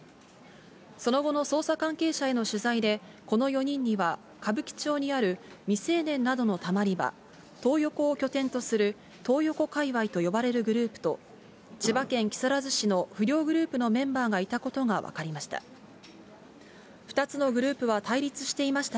その後の捜査関係者への取材で、この４人には歌舞伎町にある未成年などのたまり場、トー横を拠点とする、トー横界隈と呼ばれるグループと、千葉県木更津市の不良グループのメンバーがいたことが分かりました。